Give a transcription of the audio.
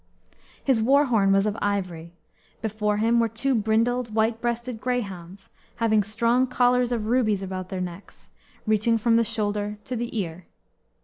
His war horn was of ivory. Before him were two brindled, white breasted greyhounds, having strong collars of rubies about their necks, reaching from the shoulder to the ear.